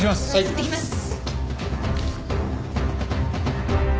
いってきます。